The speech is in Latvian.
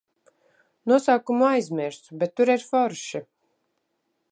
Nosaukumu aizmirsu, bet tur ir forši.